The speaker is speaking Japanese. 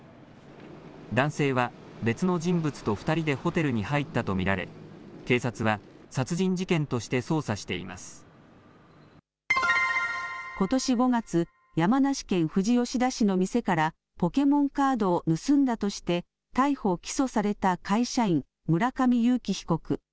男性は別の人物と２人でホテルに入ったと見られ、警察は、殺人事ことし５月、山梨県富士吉田市の店からポケモンカードを盗んだとして、逮捕・起訴された会社員、村上友貴被告。